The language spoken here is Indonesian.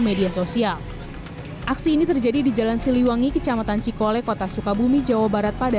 media sosial aksi ini terjadi di jalan siliwangi kecamatan cikole kota sukabumi jawa barat pada